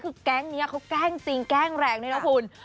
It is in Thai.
คือแก๊งนี้เขาแกล้งจริงแกล้งแรงด้วยนะคุณ